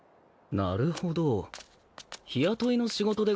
なるほど日雇いの仕事でござるか。